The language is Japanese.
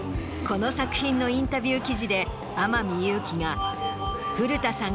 この作品のインタビュー記事で天海祐希が。